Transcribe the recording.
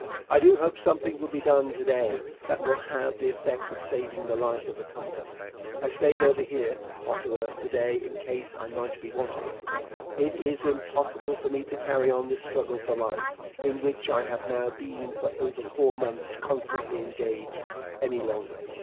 I do hope something will be done to day that will have the effect of saving the life of the Company. I stayed over here [Ottawa] to day in case I might be wanted. It is impossible for me to carry on this struggle for life, in which I have now been for over four months constantly engaged, any longer.